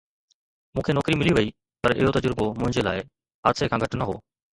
مون کي نوڪري ملي وئي پر اهو تجربو منهنجي لاءِ حادثي کان گهٽ نه هو.